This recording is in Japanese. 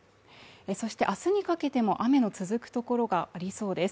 そして明日にかけても雨の続くところがありそうです